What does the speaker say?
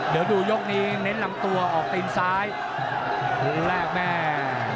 เดี๋ยวดูยกนี้เน้นลำตัวออกตีนซ้ายวงแรกแม่